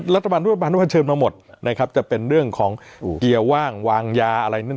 รัฐบาลร่วมอนุเชิญมาหมดนะครับจะเป็นเรื่องของเกียร์ว่างวางยาอะไรนั่น